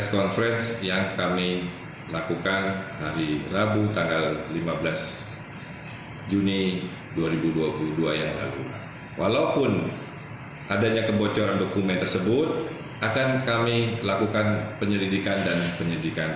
kita ingin tahu apa sih laporan ini di pembangunan raya